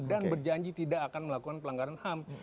dan berjanji tidak akan melakukan pelanggaran ham